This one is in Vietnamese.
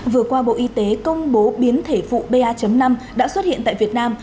vừa qua bộ y tế công bố biến thể vụ ba năm đã xuất hiện tại việt nam